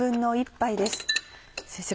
先生